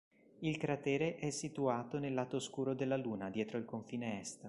Il cratere è situato nel lato oscuro della Luna dietro il confine est.